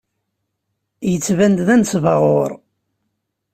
Yettban-d d anesbaɣur.